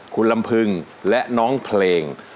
คุณลำพึงและน้องเพลง